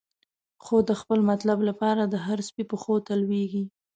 خو د خپل مطلب لپاره، د هر سپی پښو ته لویږی